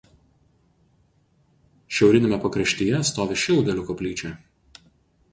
Šiauriniame pakraštyje stovi Šilgalių koplyčia.